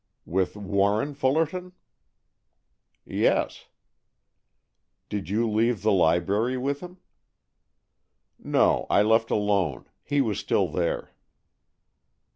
"With Warren Fullerton?" "Yes." "Did you leave the library with him?" "No, I left alone. He was still there."